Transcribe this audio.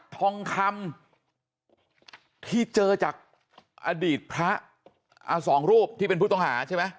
ทองคำที่เจอจากอดีตพระสองรูปที่เป็นผู้ต้องหาใช่ไหม